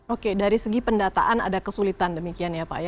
oke dari segi pendataan ada kesulitan demikian ya pak ya